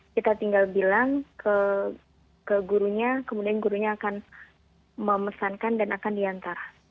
kita tinggal bilang ke gurunya kemudian gurunya akan memesankan dan akan diantar